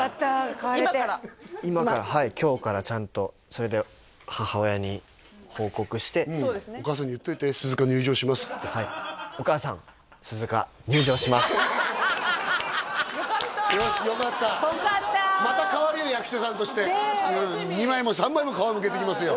変われて今から今からはい今日からちゃんとそれで母親に報告してお母さんに言っといて「鈴鹿入場します」ってよかったよしよかったまた変わるよ役者さんとして２枚も３枚も皮むけていきますよ